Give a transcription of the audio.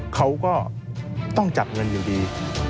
เขาก็ต้องจับเงินอยู่ดี